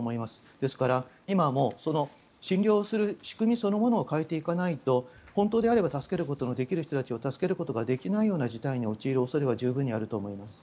ですから、今はもう診療する仕組みそのものを変えていかないと本当であれば助けることのできる人たちを助けることができないような事態に陥る恐れは十分にあると思います。